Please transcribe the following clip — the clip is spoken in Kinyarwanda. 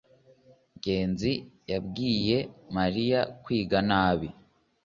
ngenzi yabwiye mariya kwiga nabi